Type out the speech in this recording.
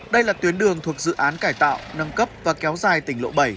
đây là tuyến đường thuộc dự án cải tạo nâng cấp và kéo dài tỉnh lộ bảy